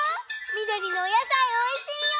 みどりのおやさいおいしいよ。